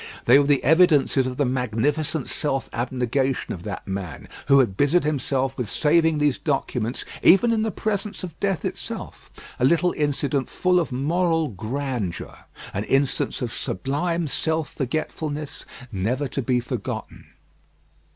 They were the evidences of the magnificent self abnegation of that man who had busied himself with saving these documents even in the presence of death itself a little incident full of moral grandeur; an instance of sublime self forgetfulness never to be forgotten.